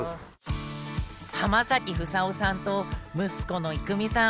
濱崎房夫さんと息子の生海さん。